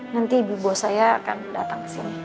nanti ibu saya akan datang ke sini